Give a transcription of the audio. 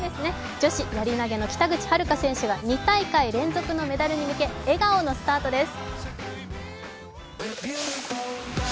女子やり投の北口榛花選手が２大会連続のメダルに向け笑顔のスタートです。